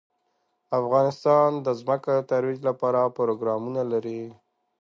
افغانستان د ځمکه د ترویج لپاره پروګرامونه لري.